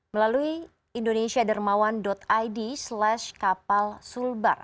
melalui www indonesiadermawan id slash kapalsulbar